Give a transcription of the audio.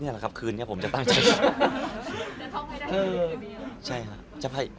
แหละครับคืนนี้ผมจะตั้งใจ